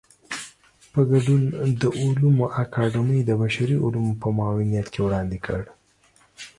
په ګډون د علومو اکاډمۍ د بشري علومو په معاونيت کې وړاندې کړ.